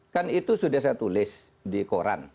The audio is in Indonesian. kan itu sudah saya tulis di koran